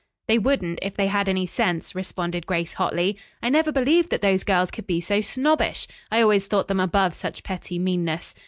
"They wouldn't if they had any sense," responded Grace hotly, "I never believed that those girls could be so snobbish. I always thought them above such petty meanness.